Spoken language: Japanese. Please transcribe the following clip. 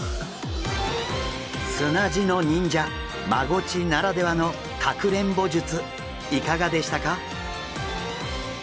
砂地の忍者マゴチならではのかくれんぼ術いかがでしたか？